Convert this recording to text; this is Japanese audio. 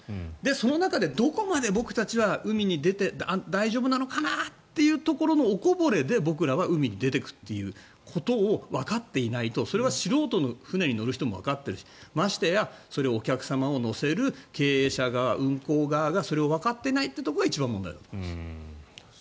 その中でどこまで僕たちは海に出て大丈夫なのかなというところのおこぼれで僕らは海に出ていくということをわかっていないとそれは素人の船に乗る人もわかっているしましてやそれをお客様を乗せる経営者側、運航側がわかってないというところが一番問題だと思います。